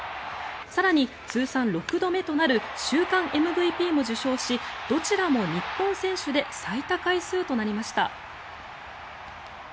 更に、通算６度目となる週間ＭＶＰも受賞しどちらも日本選手で最多回数となりました。